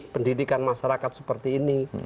pendidikan masyarakat seperti ini